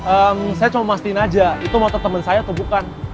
ehm saya cuma mau pastiin aja itu motor temen saya atau bukan